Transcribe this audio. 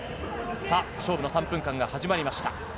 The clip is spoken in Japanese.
勝負の３分間が始まりました。